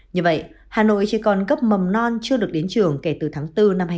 như vậy hà nội chỉ còn cấp mầm non chưa được đến trường kể từ tháng bốn năm hai nghìn hai mươi